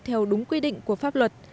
theo đúng quy định của pháp luật